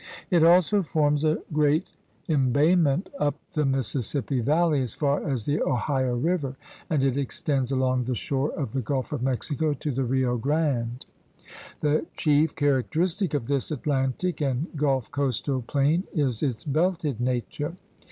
It also forms a great em GEOGRAPHIC PROVINCES 69 bayment up the Mississippi Valley as far as the Ohio River, and it extends along the shore of the Gulf of Mexico to the Rio Grande. The chief characteristic of this Atlantic and Gulf coastal plain is its belted nature.